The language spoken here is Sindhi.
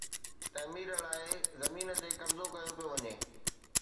تعمير لاءِ زمين تي قبضو ڪيو پيو وڃي.